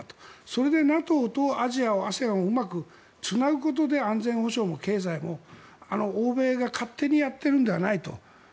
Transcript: それでＮＡＴＯとアジアＡＳＥＡＮをうまくつなぐことで安全保障も経済も欧米が勝手にやっているのではないと。